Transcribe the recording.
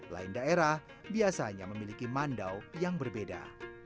lain daerah biasanya memiliki mandau yang berbeda